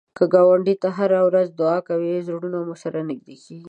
که ګاونډي ته هره ورځ دعا کوې، زړونه مو سره نږدې کېږي